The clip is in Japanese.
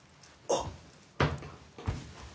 あっ。